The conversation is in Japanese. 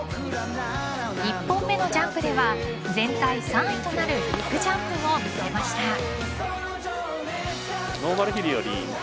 １本目のジャンプでは全体３位となるビッグジャンプを見せました。